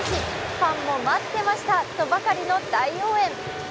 ファンも、待ってましたとばかりの大応援。